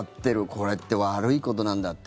これって悪いことなんだって。